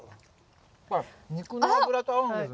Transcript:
肉の脂と合うんだよね。